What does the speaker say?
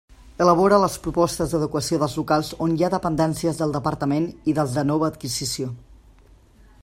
Elabora les propostes d'adequació dels locals on hi ha dependències del Departament i dels de nova adquisició.